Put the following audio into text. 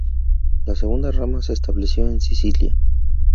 La segunda rama se estableció en Sicilia.